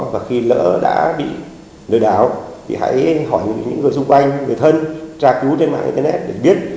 và khi lỡ đã bị lừa đảo thì hãy hỏi những người xung quanh người thân tra cứu trên mạng internet để biết